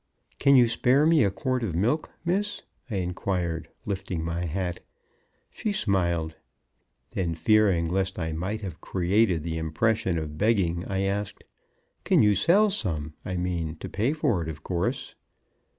"Can you spare me a quart of milk, Miss?" I inquired, lifting my hat. She smiled. Then, fearing lest I might have created the impression of begging, I asked; "can you sell some? I mean to pay for it, of course."